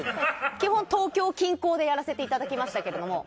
基本、東京近郊でやらせていただきましたが。